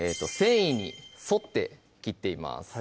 繊維に沿って切っています